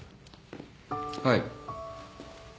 はい。